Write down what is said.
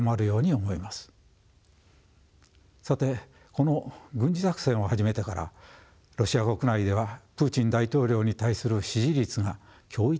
さてこの軍事作戦を始めてからロシア国内ではプーチン大統領に対する支持率が驚異的に高まっています。